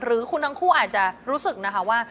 หรือคุณทั้งคู่อาจจะรู้สึกนะคะว่า